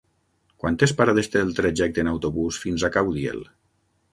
Quantes parades té el trajecte en autobús fins a Caudiel?